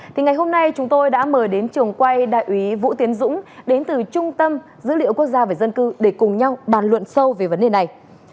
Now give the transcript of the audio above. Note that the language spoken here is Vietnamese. thì ngày hôm nay chúng tôi đã mời đến trường quay đại úy vũ tiến dũng đến từ trung tâm dữ liệu quốc gia về dân cư để cùng nhau bàn luận sâu về vấn đề này